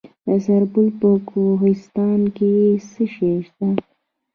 د سرپل په کوهستان کې څه شی شته؟